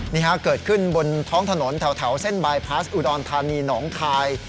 นี่ฮะเกิดขึ้นบนท้องถนนแถวเส้นบายพลาสอุดรธานีหนองคาย